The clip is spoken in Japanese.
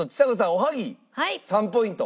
おはぎ３ポイント。